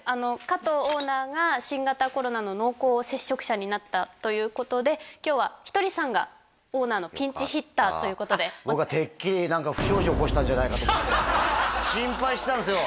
加藤オーナーが新型コロナの濃厚接触者になったということで今日はひとりさんがオーナーのピンチヒッターということで僕はてっきり何か不祥事起こしたんじゃないかと思って心配したんですよ